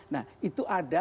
nah itu ada sepuluh sudah